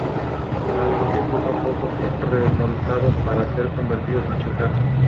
Como violinista actuó en varias oportunidades en los teatros Colón y Ópera.